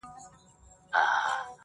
یوازینی کار چې زما ترې نفرت دی